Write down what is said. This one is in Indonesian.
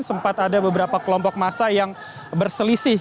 sempat ada beberapa kelompok masa yang berselisih